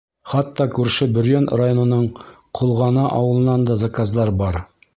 Хатта күрше Бөрйән районының Ҡолғана ауылынан да заказдар бар.